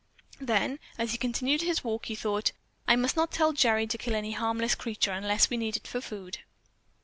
Then, as he continued his walk, he thought, "I must tell Gerry not to kill any harmless creature unless we need it for food."